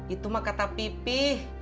itu mah kata pipi